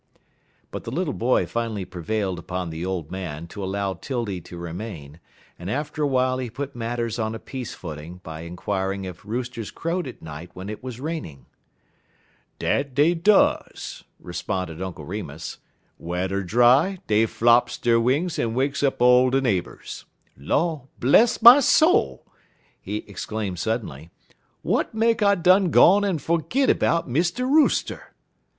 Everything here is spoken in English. But the little boy finally prevailed upon the old man to allow 'Tildy to remain, and after a while he put matters on a peace footing by inquiring if roosters crowed at night when it was raining. "Dat dey duz," responded Uncle Remus. "Wet er dry, dey flops der wings en wakes up all de neighbors. Law, bless my soul!" he exclaimed suddenly, "w'at make I done gone en fergit 'bout Mr. Rooster?"